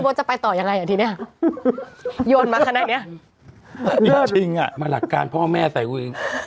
ด้วยมั้ยเอาไงคะ